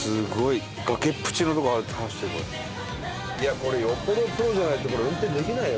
これよっぽどプロじゃないと運転できないよ